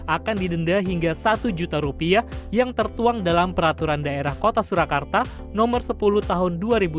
akan didenda hingga satu juta rupiah yang tertuang dalam peraturan daerah kota surakarta nomor sepuluh tahun dua ribu dua puluh